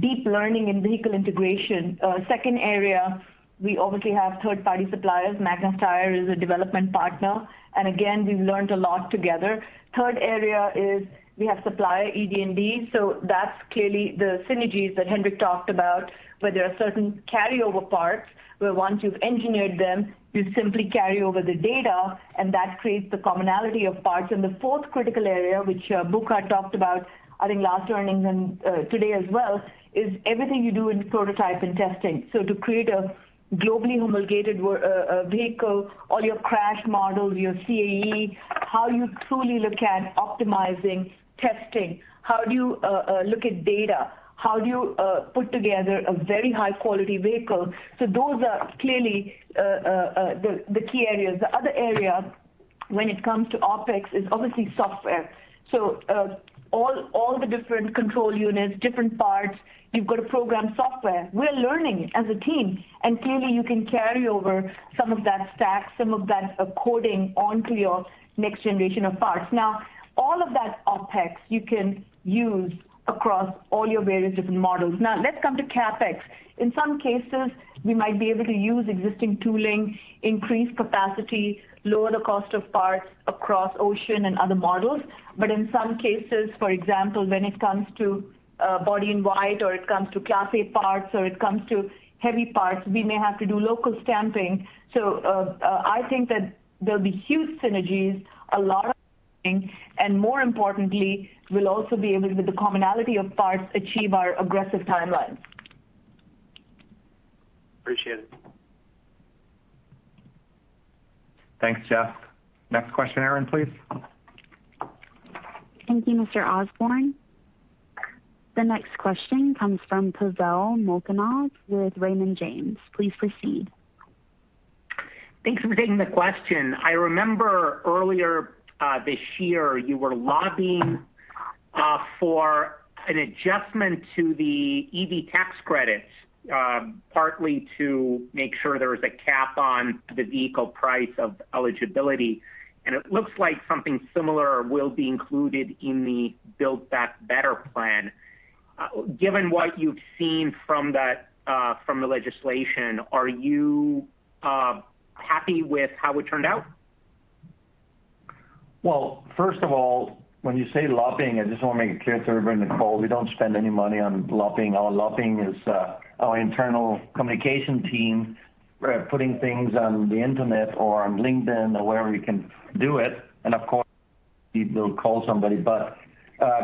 deep learning and vehicle integration. Second area, we obviously have third-party suppliers. Magna Steyr is a development partner. Again, we've learned a lot together. Third area is we have supplier ED&D. That's clearly the synergies that Henrik talked about, where there are certain carryover parts where once you've engineered them, you simply carry over the data, and that creates the commonality of parts. The fourth critical area, which Burkhard talked about, I think, last earnings and today as well, is everything you do in prototype and testing. To create a globally homologated vehicle, all your crash models, your CAE, how you truly look at optimizing testing, how do you look at data, how do you put together a very high-quality vehicle? Those are clearly the key areas. The other area when it comes to OpEx is obviously software. All the different control units, different parts, you've got to program software. We're learning as a team, and clearly you can carry over some of that stack, some of that coding onto your next generation of parts. Now all of that OpEx you can use across all your various different models. Now let's come to CapEx. In some cases, we might be able to use existing tooling, increase capacity, lower the cost of parts across Ocean and other models. In some cases, for example, when it comes to Body in white or it comes to class A parts, or it comes to heavy parts, we may have to do local stamping. I think that there'll be huge synergies, a lot of things, and more importantly, we'll also be able to, with the commonality of parts, achieve our aggressive timelines. Appreciate it. Thanks, Jeff. Next question, Erin, please. Thank you, Mr. Osborne. The next question comes from Pavel Molchanov with Raymond James. Please proceed. Thanks for taking the question. I remember earlier this year you were lobbying for an adjustment to the EV tax credits partly to make sure there was a cap on the vehicle price of eligibility. It looks like something similar will be included in the Build Back Better Act. Given what you've seen from the legislation, are you happy with how it turned out? Well, first of all, when you say lobbying, I just want to make it clear to everyone in the call, we don't spend any money on lobbying. Our lobbying is our internal communication team putting things on the internet or on LinkedIn or wherever we can do it. Of course, we will call somebody.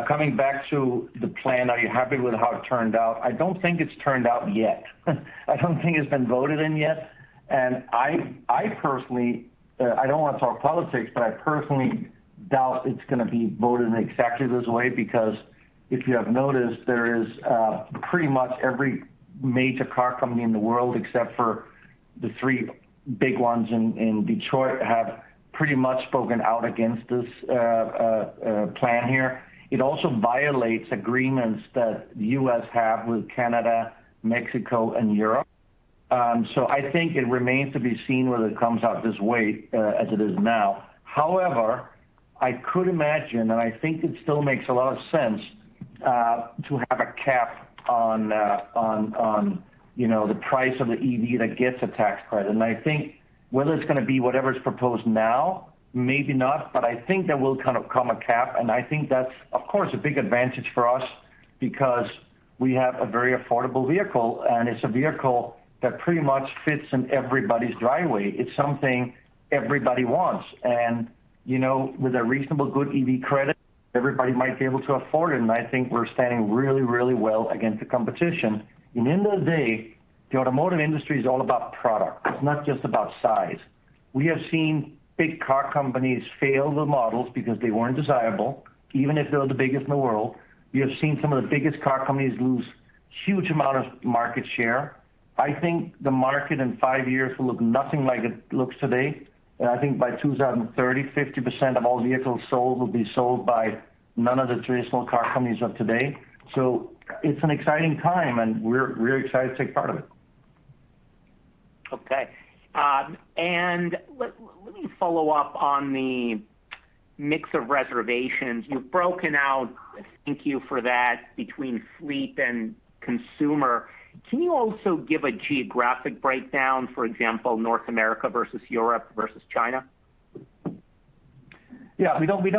Coming back to the plan, are you happy with how it turned out? I don't think it's turned out yet. I don't think it's been voted in yet. I personally don't want to talk politics, but I personally doubt it's gonna be voted in exactly this way, because if you have noticed, there is pretty much every major car company in the world, except for the three big ones in Detroit, have pretty much spoken out against this plan here. It also violates agreements that the U.S. have with Canada, Mexico, and Europe. I think it remains to be seen whether it comes out this way, as it is now. However, I could imagine, and I think it still makes a lot of sense, to have a cap on, you know, the price of the EV that gets a tax credit. I think whether it's gonna be whatever is proposed now, maybe not, but I think there will kind of come a cap. I think that's, of course, a big advantage for us because we have a very affordable vehicle, and it's a vehicle that pretty much fits in everybody's driveway. It's something everybody wants. You know, with a reasonable good EV credit, everybody might be able to afford it. I think we're standing really, really well against the competition. At the end of the day, the automotive industry is all about product. It's not just about size. We have seen big car companies fail their models because they weren't desirable, even if they were the biggest in the world. We have seen some of the biggest car companies lose huge amount of market share. I think the market in five years will look nothing like it looks today. I think by 2030, 50% of all vehicles sold will be sold by none of the traditional car companies of today. It's an exciting time, and we're excited to take part of it. Okay, let me follow up on the mix of reservations. You've broken out, thank you for that, between fleet and consumer. Can you also give a geographic breakdown, for example, North America versus Europe versus China? Yeah, we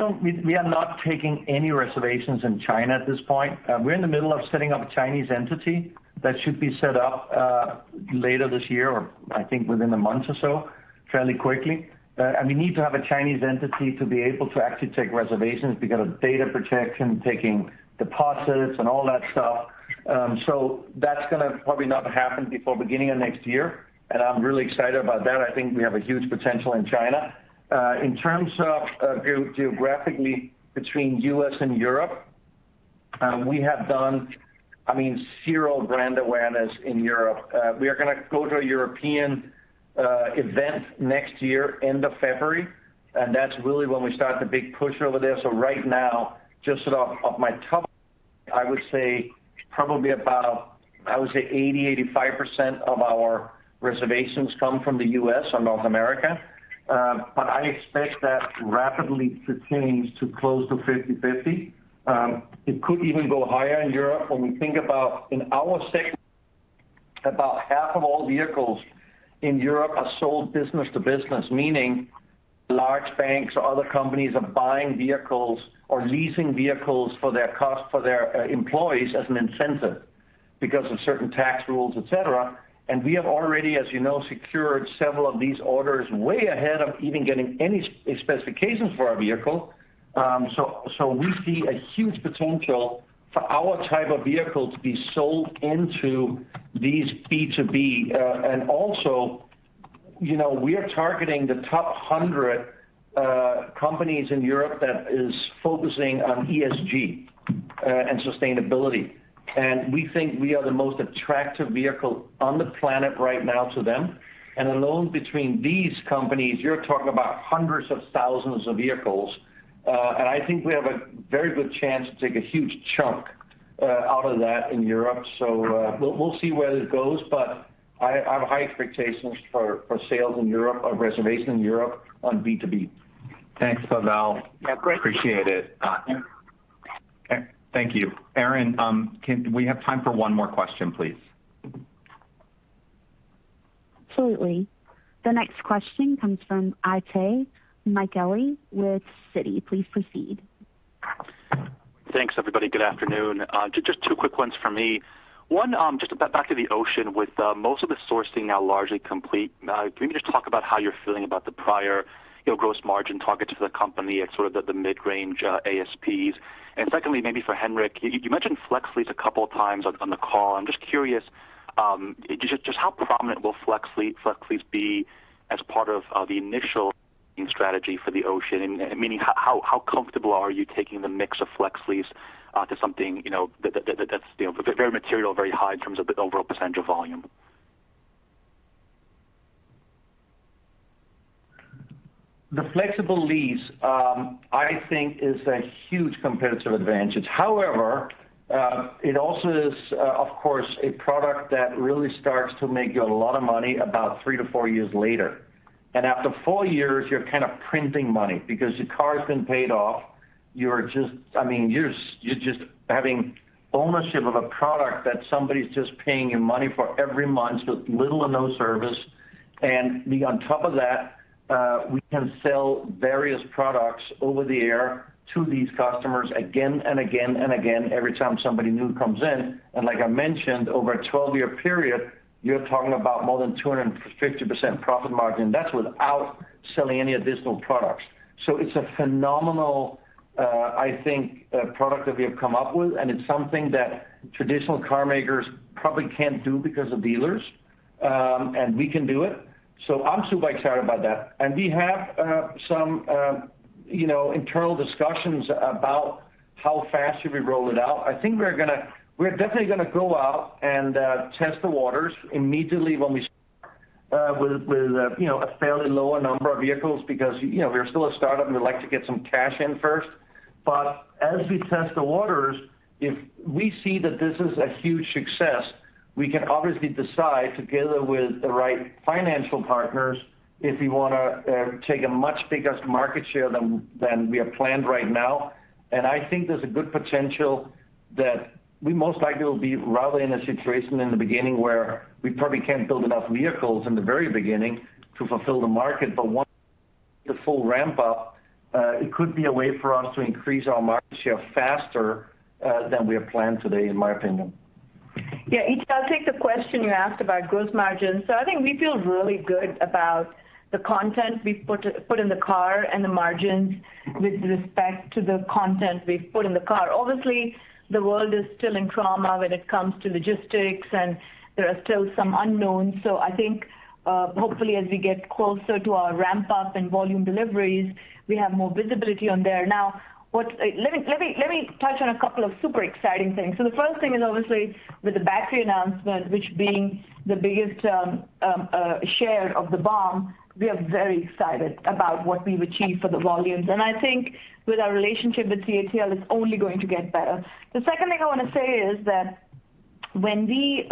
are not taking any reservations in China at this point. We're in the middle of setting up a Chinese entity that should be set up later this year or I think within a month or so, fairly quickly. We need to have a Chinese entity to be able to actually take reservations because of data protection, taking deposits and all that stuff. That's gonna probably not happen before beginning of next year, and I'm really excited about that. I think we have a huge potential in China. In terms of geographically between U.S. and Europe, we have done, I mean, zero brand awareness in Europe. We are gonna go to a European event next year, end of February, and that's really when we start the big push over there. Right now, just off my top, I would say probably about 85% of our reservations come from the U.S. or North America. I expect that rapidly to change to close to 50/50. It could even go higher in Europe. When we think about in our segment, about half of all vehicles in Europe are sold business to business, meaning large banks or other companies are buying vehicles or leasing vehicles for their employees as an incentive because of certain tax rules, et cetera. We have already, as you know, secured several of these orders way ahead of even getting any specifications for our vehicle. We see a huge potential for our type of vehicle to be sold into these B2B. Also, you know, we are targeting the top 100 companies in Europe that is focusing on ESG and sustainability. We think we are the most attractive vehicle on the planet right now to them. Alone between these companies, you're talking about hundreds of thousands of vehicles. I think we have a very good chance to take a huge chunk out of that in Europe. We'll see where this goes, but I have high expectations for sales in Europe or reservation in Europe on B2B. Thanks, Pavel. Yeah, great. Appreciate it. Okay, thank you. Erin, we have time for one more question, please. Absolutely. The next question comes from Itay Michaeli with Citi. Please proceed. Thanks, everybody. Good afternoon. Just two quick ones for me. One, just back to the Ocean with most of the sourcing now largely complete. Can you just talk about how you're feeling about the prior, you know, gross margin targets for the company at sort of the mid-range ASPs? And secondly, maybe for Henrik, you mentioned Flexee Lease a couple of times on the call. I'm just curious, just how predominant will Flexee Lease be as part of the initial strategy for the Ocean? And meaning how comfortable are you taking the mix of Flexee Lease to something, you know, that's very material, very high in terms of the overall percentage of volume? The Flexee Lease, I think is a huge competitive advantage. However, it also is, of course, a product that really starts to make you a lot of money about three to four years later. After four years, you're kind of printing money because your car's been paid off. I mean, you're just having ownership of a product that somebody's just paying you money for every month with little or no service. We, on top of that, we can sell various products over the air to these customers again and again and again every time somebody new comes in. Like I mentioned, over a 12-year period, you're talking about more than 250% profit margin. That's without selling any additional products. It's a phenomenal, I think, product that we have come up with, and it's something that traditional car makers probably can't do because of dealers, and we can do it. I'm super excited about that. We have some you know internal discussions about how fast should we roll it out. I think we're definitely gonna go out and test the waters immediately when we start with you know a fairly lower number of vehicles because you know we're still a start-up and we'd like to get some cash in first. As we test the waters, if we see that this is a huge success, we can obviously decide together with the right financial partners if we wanna take a much bigger market share than we have planned right now. I think there's a good potential that we most likely will be rather in a situation in the beginning where we probably can't build enough vehicles in the very beginning to fulfill the market. Once the full ramp up, it could be a way for us to increase our market share faster than we have planned today, in my opinion. Yeah, Itay, I'll take the question you asked about gross margins. I think we feel really good about the content we've put in the car and the margins with respect to the content we've put in the car. Obviously, the world is still in trauma when it comes to logistics, and there are still some unknowns. I think, hopefully, as we get closer to our ramp up and volume deliveries, we have more visibility on there. Now, let me touch on a couple of super exciting things. The first thing is obviously with the battery announcement, which being the biggest share of the BOM, we are very excited about what we've achieved for the volumes. I think with our relationship with CATL, it's only going to get better. The second thing I wanna say is that when we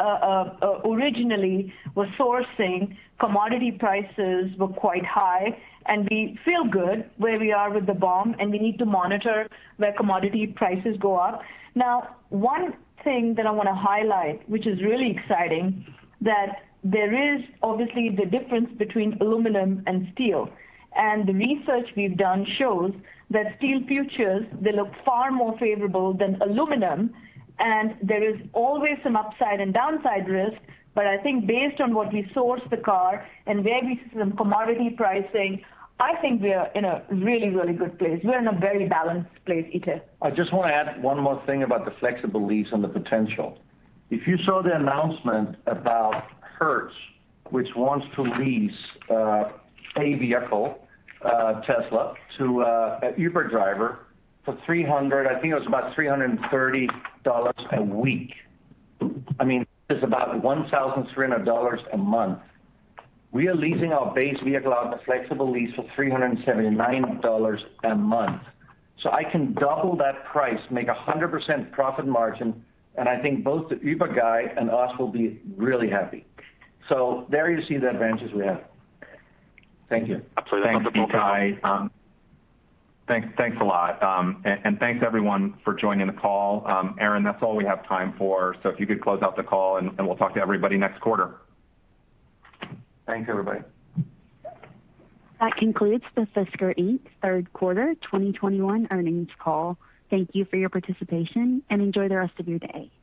originally were sourcing, commodity prices were quite high, and we feel good where we are with the BOM, and we need to monitor where commodity prices go up. Now, one thing that I wanna highlight, which is really exciting, that there is obviously the difference between aluminum and steel. The research we've done shows that steel futures, they look far more favorable than aluminum. There is always some upside and downside risk. I think based on what we sourced the car and where we see some commodity pricing, I think we are in a really, really good place. We're in a very balanced place, Itay. I just wanna add one more thing about the flexible lease and the potential. If you saw the announcement about Hertz, which wants to lease a vehicle Tesla to a Uber driver for $300, I think it was about $330 a week. I mean, it's about $1,300 a month. We are leasing our base vehicle out on a flexible lease for $379 a month. I can double that price, make a 100% profit margin, and I think both the Uber guy and us will be really happy. There you see the advantages we have. Thank you. Absolutely. Thanks, Henrik. Thanks a lot. Thanks everyone for joining the call. Erin, that's all we have time for. If you could close out the call and we'll talk to everybody next quarter. Thanks, everybody. That concludes the Fisker Inc. Q3 2021 earnings call. Thank you for your participation, and enjoy the rest of your day.